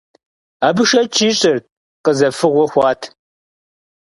Абы шэч ишӏырт, къызэфыгъуэ хъуат.